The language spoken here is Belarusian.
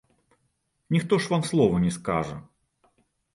Ніхто ж вам слова не скажа!